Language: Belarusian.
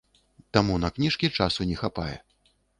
Таму на кніжкі часу не хапае.